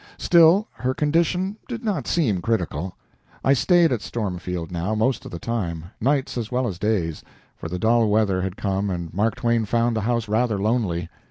Still, her condition did not seem critical. I stayed at Stormfield, now, most of the time nights as well as days for the dull weather had come and Mark Twain found the house rather lonely.